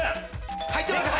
入ってます。